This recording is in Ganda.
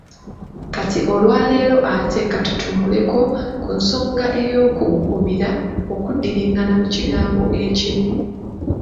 Kati olwaleero ate ka tutunuleko ku nsonga eyo ey’okuggumira okuddiringana mu kigambo ekimu.